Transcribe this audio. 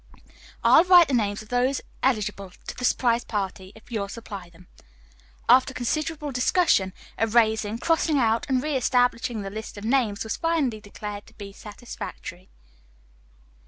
"I'll write the names of those eligible to the surprise party if you'll supply them." After considerable discussion, erasing, crossing out and re establishing the list of names was finally declared to be satisfactory.